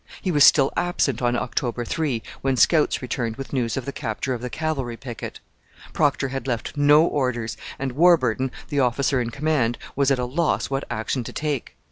He was still absent on October 3, when scouts returned with news of the capture of the cavalry picket. Procter had left no orders; and Warburton, the officer in command, was at a loss what action to take.